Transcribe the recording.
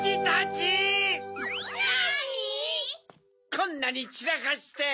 こんなにちらかして！